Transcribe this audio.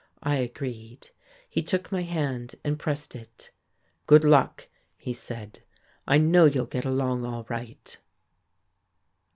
I agreed. He took my hand and pressed it. "Good luck," he said. "I know you'll get along all right."